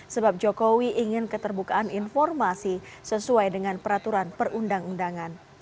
sebab jokowi ingin keterbukaan informasi sesuai dengan peraturan perundang undangan